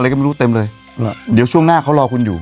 ก็ไม่รู้เต็มเลยเดี๋ยวช่วงหน้าเขารอคุณอยู่